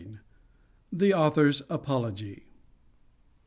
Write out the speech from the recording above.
THE AUTHOR'S APOLOGY.